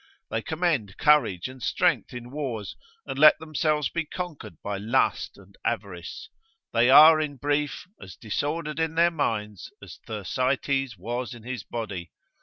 They commend courage and strength in wars, and let themselves be conquered by lust and avarice; they are, in brief, as disordered in their minds, as Thersites was in his body.